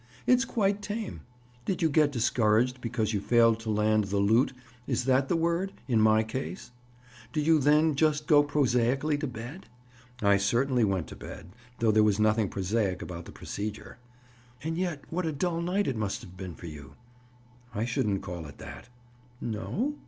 It's quite tame. Did you get discouraged because you failed to land the 'loot'—is that the word?—in my case? And did you then just go prosaically to bed?" "I certainly went to bed, though there was nothing prosaic about the procedure." "And yet what a dull night it must have been for you!" "I shouldn't call it that." "No?"